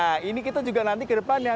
nah ini kita juga nanti ke depannya